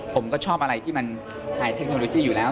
ผมก็ชอบอะไรที่มันหายเทคโนโลยีอยู่แล้ว